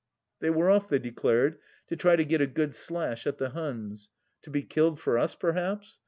" They were off, they declared, to try to get a good slash at the Huns — to be killed for us, perhaps